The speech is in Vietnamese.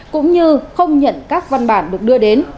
cũng như không nhận các văn bản được đưa đến